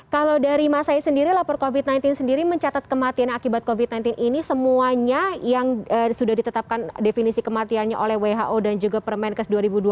kalau dari mas said sendiri lapor covid sembilan belas sendiri mencatat kematian akibat covid sembilan belas ini semuanya yang sudah ditetapkan definisi kematiannya oleh who dan juga permenkes dua ribu dua puluh